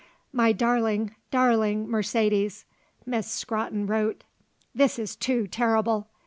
"My Darling, Darling Mercedes," Miss Scrotton wrote, "This is too terrible.